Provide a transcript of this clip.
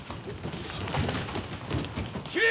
斬れ！